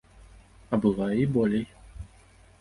А бывае і болей.